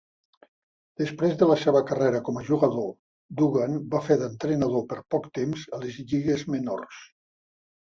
Després de la seva carrera com a jugador, Dugan va fer d'entrenador per poc temps a les lligues menors.